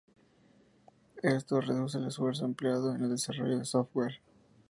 Esto reduce el esfuerzo empleado en el desarrollo de software.